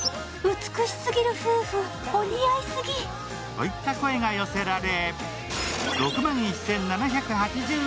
といった声が寄せられ。